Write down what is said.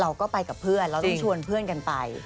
เราก็ไปการเดินเราจะชวนเพื่อนกันไป